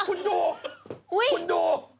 คุณดูอุ้ยคุณดู